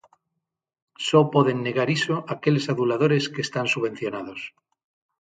Só poden negar iso aqueles aduladores que están subvencionados.